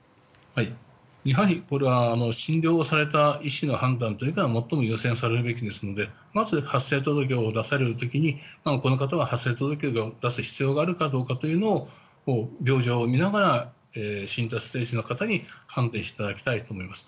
やはりこれは診療された医師の判断が最も優先されるべきなのでまず発生届を出される時にこの方は発生届を出す必要があるかどうか病状を診ながら診療をした医師の方に判断していただきたいと思います。